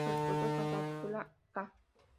Los frutos son cápsula ca.